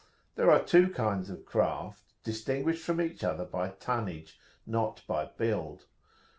There are two kinds of craft, distinguished from each other by tonnage, not by build.